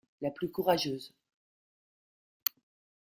La plus courageuse.